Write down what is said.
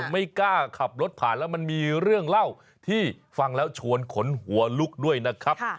ไม่กล้าขับรถผ่านแล้วมันมีเรื่องเล่าที่ฟังแล้วชวนขนหัวลุกด้วยนะครับ